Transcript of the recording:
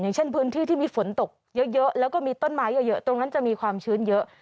อย่างเช่นพื้นที่ที่มีฝนตกเยอะแล้วก็มีต้นไม้เยอะตรงนั้นจะมีความชื้นเยอะ